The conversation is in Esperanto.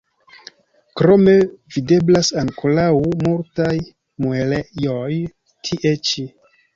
Krome videblas ankoraŭ multaj muelejoj tie ĉi.